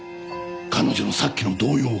彼女のさっきの動揺を。